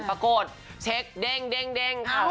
ปรากฏเช็คเด้งเด้งเด้ง